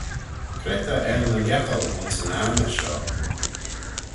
Cre ta er ny lhiettal ayns yn anney shoh?